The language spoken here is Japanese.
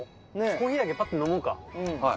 コーヒーだけパッと飲もうか。